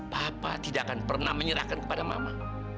papa tidak akan pernah menyerahkan kepada mama